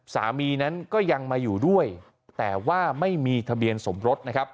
สามีนั้นก็ยังมาอยู่ด้วยแต่ว่าไม่มีทะเบียนสมรสนะครับ